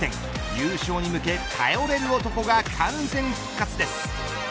優勝に向け頼れる男が完全復活です。